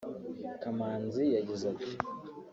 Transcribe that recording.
Kamanzi yagize ati